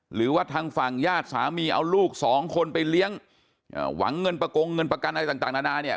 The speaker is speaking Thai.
หรือว่าทางฝั่งญาติสามีเอาลูกสองคนไปเลี้ยงหวังเงินประกงเงินประกันอะไรต่างนานาเนี่ย